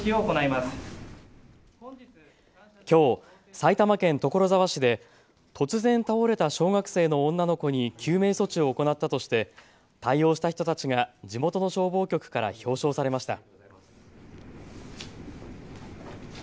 きょう埼玉県所沢市で突然倒れた小学生の女の子に救命措置を行ったとして対応した人たちが地元の消防局から表彰されました。